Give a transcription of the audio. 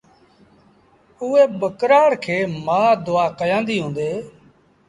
اُئي ٻڪرآڙ کي مآ دئآ ڪيآنديٚ هُݩدي۔